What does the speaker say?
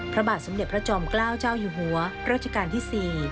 พระบาทสมเด็จพระจอมเกล้าเจ้าอยู่หัวรัชกาลที่๔